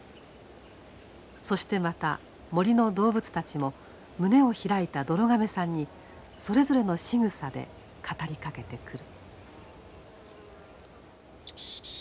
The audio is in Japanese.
そしてまた森の動物たちも胸を開いたどろ亀さんにそれぞれのしぐさで語りかけてくる。